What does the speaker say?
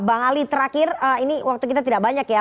bang ali terakhir ini waktu kita tidak banyak ya